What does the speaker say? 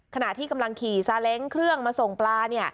ขณะที่กำลังขี่ซาเล้งเครื่องมาส่งปลา